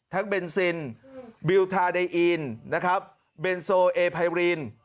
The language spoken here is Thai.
ทั้งเบนซินบิลทาเดอีนเบนโซเอไพร